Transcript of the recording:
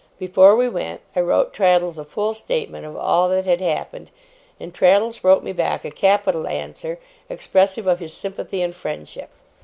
Before we went, I wrote Traddles a full statement of all that had happened, and Traddles wrote me back a capital answer, expressive of his sympathy and friendship.